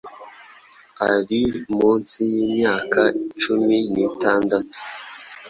ari munsi y’imyaka cumi nitandatu